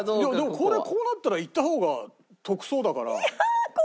これこうなったらいった方が得そうだから。